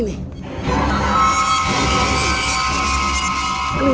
ini agak sakit sekali